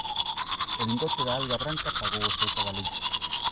O lingote da alga branca pagou o seu cadaleito.